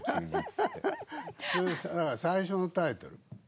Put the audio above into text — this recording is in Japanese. だから最初のタイトル。